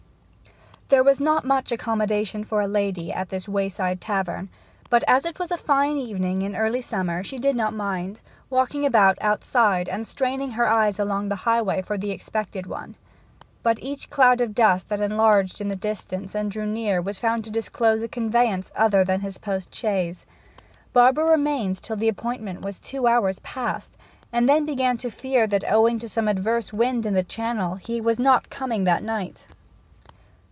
There was not much accommodation for a lady at this wayside tavern; but, as it was a fine evening in early summer, she did not mind walking about outside, and straining her eyes along the highway for the expected one. But each cloud of dust that enlarged in the distance and drew near was found to disclose a conveyance other than his post chaise. Barbara remained till the appointment was two hours passed, and then began to fear that owing to some adverse wind in the Channel he was not coming that night.